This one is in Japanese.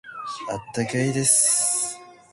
温かいです。